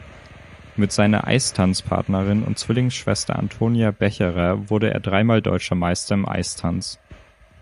Mit seiner Eistanzpartnerin und Zwillingsschwester Antonia Becherer wurde er dreimal Deutscher Meister im Eistanz.